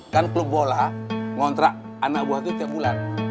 kan klub bola ngontrak anak buah itu tiap bulan